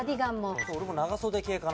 俺も長袖系かなと。